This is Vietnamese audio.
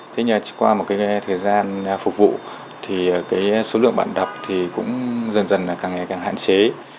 thế nhưng qua một thời gian phục vụ số lượng bạn đọc cũng dần dần càng hạn chế